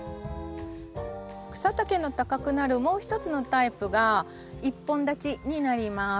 草丈の高くなるもう一つのタイプが１本立ちになります。